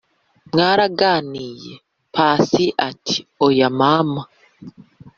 mwaraganiye?"pasi ati"oya mama!